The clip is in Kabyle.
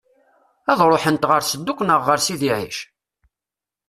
Ad ṛuḥent ɣer Sedduq neɣ ɣer Sidi Ɛic?